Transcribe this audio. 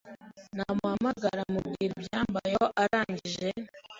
ndmuhamagara mubwira ibyambayeho arangije